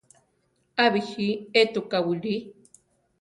A bíji étuka wili.